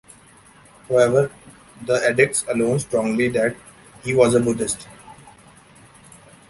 However, the edicts alone strongly that he was a Buddhist.